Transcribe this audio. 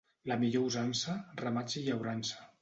La millor usança, ramats i llaurança.